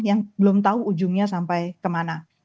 yang belum tahu ujungnya sampai kemana